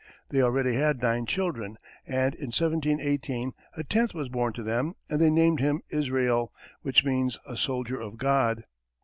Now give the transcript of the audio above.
They already had nine children, and, in 1718, a tenth was born to them and they named him Israel, which means a soldier of God.